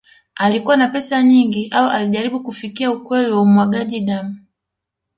Alikuwa na pesa nyingi au alijaribu kufikia ukweli wa umwagaji damu